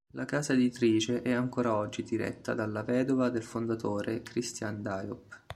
La casa editrice è ancora oggi diretta dalla vedova del fondatore, Christiane Diop.